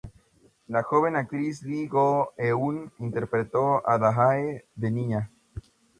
La joven actriz Lee Go-eun interpretó a Da-hae de niña.